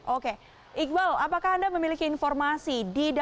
oke iqbal apakah anda memiliki informasi